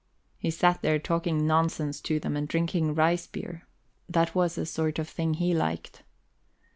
He sat there talking nonsense to them, and drinking rice beer; that was the sort of thing he liked.